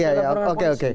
tidak perangkap polisi